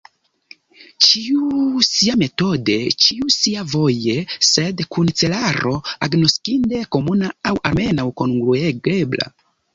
Ĉiu siametode, ĉiu siavoje, sed kun celaro agnoskinde komuna, aŭ almenaŭ kongruigebla.